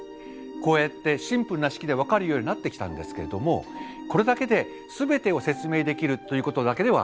こうやってシンプルな式で分かるようになってきたんですけれどもこれだけですべてを説明できるということだけではなかったんですね。